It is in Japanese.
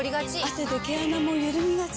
汗で毛穴もゆるみがち。